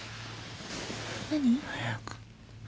何？早く。